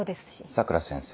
佐倉先生。